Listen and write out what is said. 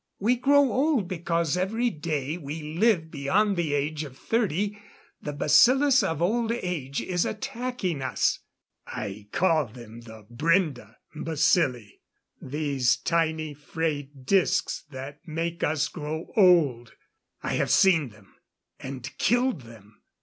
We grow old because every day we live beyond the age of thirty the bacillus of old age is attacking us. I call them the Brende bacilli these tiny, frayed discs that make us grow old. I have seen them and killed them!"